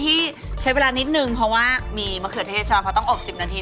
ที่ใช้เวลานิดนึงเพราะมีมะเขือเทศก็ต้องอบ๑๐นาที